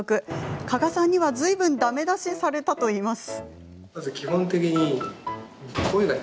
加賀さんにはずいぶんだめ出しされたそうです。